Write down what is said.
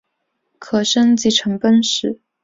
可升级成奔石。